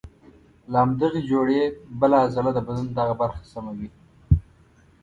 د همدغې جوړې بله عضله د بدن دغه برخه سموي.